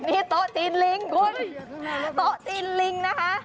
นี่โต๊ะจีนลิงคุณโต๊ะจีนลิงนะคะ